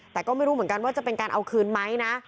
แต่ก็ไม่รู้เหมือนกันว่าจะเป็นการเอาคืนไหมนะ